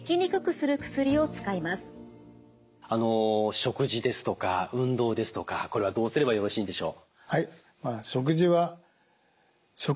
食事ですとか運動ですとかこれはどうすればよろしいんでしょう？